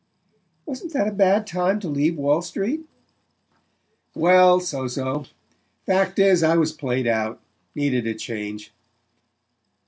"Wasn't that a bad time to leave Wall Street?" "Well, so so. Fact is, I was played out: needed a change."